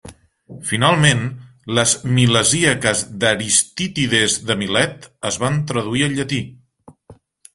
Finalment, les "Milesíaques" d'Aristitides de Milet es van traduir al llatí.